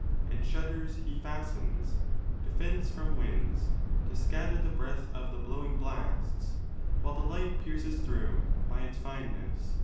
And shutters he fastens, defence from winds, To scatter the breath of the blowing blasts. While the light pierces through, by its fineness.